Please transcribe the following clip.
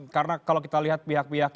karena kalau kita lihat pihak pihak